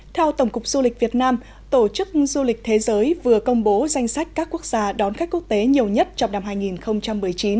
theo tổng cục du lịch việt nam tổ chức du lịch thế giới vừa công bố danh sách các quốc gia đón khách quốc tế nhiều nhất trong năm hai nghìn một mươi chín